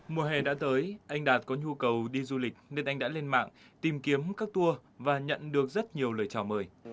mùa hè đã tới anh đạt có nhu cầu đi du lịch nên anh đã lên mạng tìm kiếm các tour và nhận được rất nhiều lời chào mời